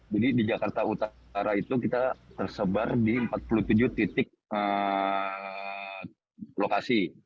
jadi di jakarta utara itu kita tersebar di empat puluh tujuh titik lokasi